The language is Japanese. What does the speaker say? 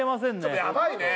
ちょっとヤバいね